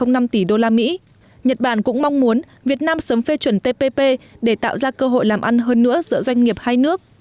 nhật bản cũng mong muốn việt nam sớm phê chuẩn tpp để tạo ra cơ hội làm ăn hơn nữa giữa doanh nghiệp hai nước